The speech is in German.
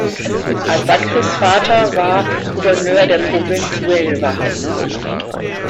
Al-Bakrīs Vater war Gouverneur der Provinz Huelva.